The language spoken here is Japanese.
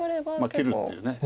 切るっていう。